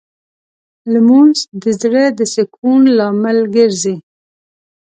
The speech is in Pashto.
لمونځ د زړه د سکون لامل ګرځي